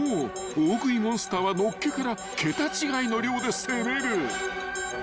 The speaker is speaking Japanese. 大食いモンスターはのっけから桁違いの量で攻める］